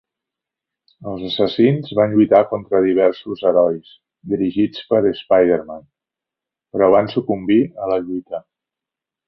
Els assassins van lluitar contra diversos herois, dirigits per Spider-Man, però van sucumbir a la lluita.